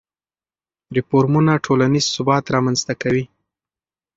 ریفورمونه ټولنیز ثبات رامنځته کوي.